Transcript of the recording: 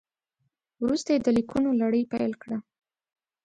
وروسته یې د لیکونو لړۍ پیل کړه.